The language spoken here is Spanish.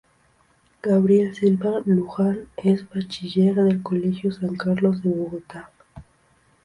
Gabriel Silva Luján es bachiller del colegio San Carlos de Bogotá.